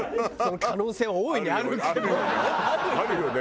あるよね。